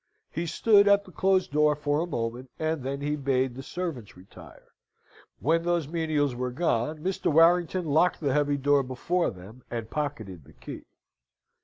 He stood at the closed door for a moment, and then he bade the servants retire. When those menials were gone, Mr. Warrington locked the heavy door before them, and pocketed the key.